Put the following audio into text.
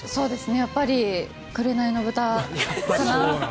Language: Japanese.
やっぱり「紅の豚」かなって。